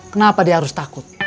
kenapa dia harus takut